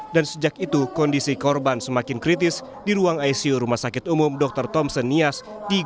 dan sejak itu kondisi korban semakin kritis di ruang icu rumah sakit umum dr thompson nias